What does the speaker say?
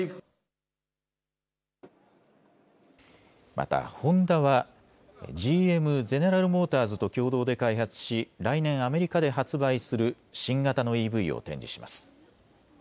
またホンダはＧＭ・ゼネラル・モーターズと共同で開発し来年アメリカで発売する新型のＥＶを展示します。